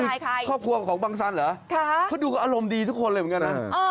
คือครอบครัวของบังสันเหรอเขาดูอารมณ์ดีทุกคนเลยเหมือนกันนะ